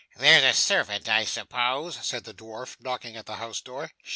'There's a servant, I suppose,' said the dwarf, knocking at the house door.